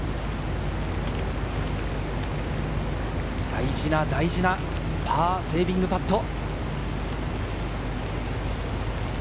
大事な大事なパーセービングパット。